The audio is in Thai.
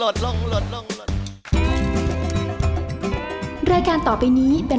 สวัสดีครับพ่อแม่ผีน้อง